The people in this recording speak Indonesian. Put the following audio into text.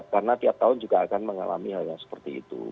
karena tiap tahun juga akan mengalami hal yang seperti itu